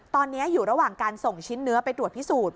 ตอนนี้อยู่ระหว่างการส่งชิ้นเนื้อไปตรวจพิสูจน์